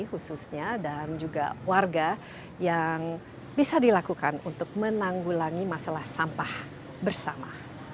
khususnya dan juga warga yang bisa dilakukan untuk menanggulangi masalah sampah bersama